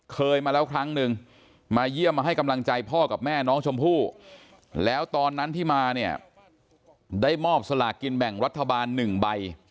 เคยมาแล้วครั้งนึงมาเยี่ยมมาให้กำลังใจพ่อกับแม่น้องชมพู่แล้วตอนนั้นที่มาเนี่ยได้มอบสลากกินแบ่งรัฐบาล๑ใบ